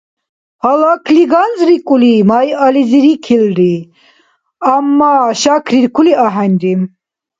Гьалакли ганзрикӀули майализи рикилри, амма шакриркули ахӀенри.